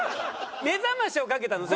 目覚ましをかけたの？